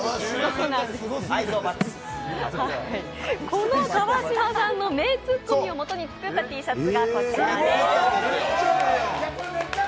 この川島さんの名ツッコミをもとに作ったＴシャツがこちらです。